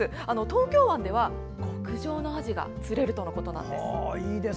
東京湾では極上のアジが釣れるとのことなんです。